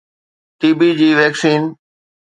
ٽي B جي vaccine